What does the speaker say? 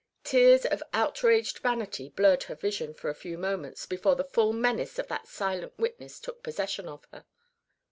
Tears of outraged vanity blurred her vision for a few moments before the full menace of that silent witness took possession of her.